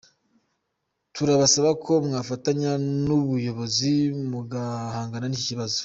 Turabasaba ko mwafatanya n’ubuyobozi mugahangana n’iki kibazo”.